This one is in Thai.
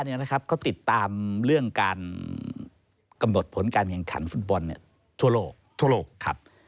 เขาติดตามการกำหนดผลการแข่งขันฟุตบอลทุกวัน